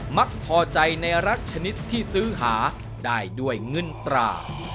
มักพอใจในรักชนิดที่ซื้อหาได้ด้วยเงินตรา